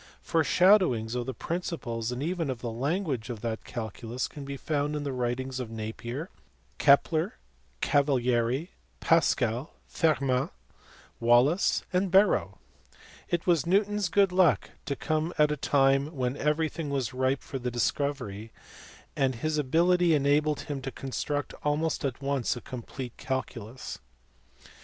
Foreshado wings of the principles and even of the language of that calculus can be found in the writings of Napier, Kepler, Cavalieri, Pascal, Fermat, Wallis, and Barrow. It was Newton s good luck to come at a time when everything was ripe for the discovery, and his ability _ enabled him to construct almost at once a complete calculus.